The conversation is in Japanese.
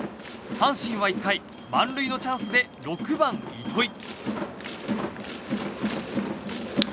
阪神は１回満塁のチャンスで６番、糸井。